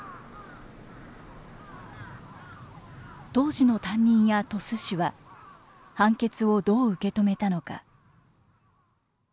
当時の担任や鳥栖市は判決をどう受け止めたのか。